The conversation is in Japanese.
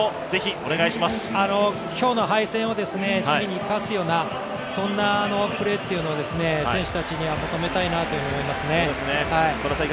今日の敗戦を次に生かすようなプレーを選手たちには求めたいなと思いますね。